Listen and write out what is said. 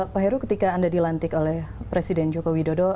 pak heru ketika anda dilantik oleh presiden joko widodo